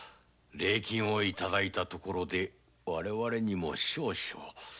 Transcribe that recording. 礼金を頂いたところで我らにも少々。